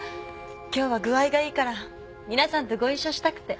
今日は具合がいいから皆さんとご一緒したくて。